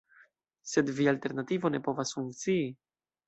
Sed via alternativo ne povas funkcii.